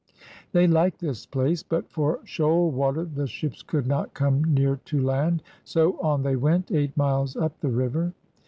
'' They liked this place, but for shoal water the ships could not come near to land. So on they went, dght miles up the river.